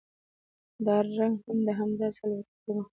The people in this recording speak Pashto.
دا رنګ د هم داسې الوتى کومه خبره شوې؟